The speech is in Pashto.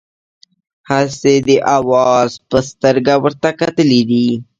هسې د اوزار په سترګه ورته کتلي دي.